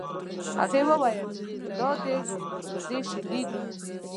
هغې وویل دا د وزې شیدې دي.